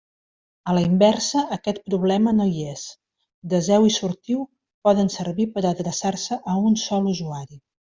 A la inversa aquest problema no hi és: deseu i sortiu poden servir per a adreçar-se a un sol usuari.